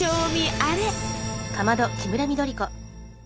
あれ？